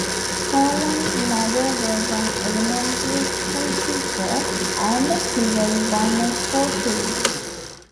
Holland's mother was an elementary school teacher, and he was one of four children.